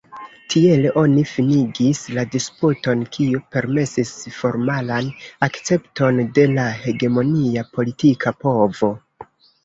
Tiele oni finigis la disputon, kio permesis formalan akcepton de la hegemonia politika povo.